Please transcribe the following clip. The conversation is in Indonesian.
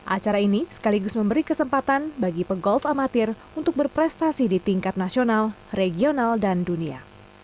acara ini sekaligus memberi kesempatan bagi pegolf amatir untuk berprestasi di tingkat nasional regional dan dunia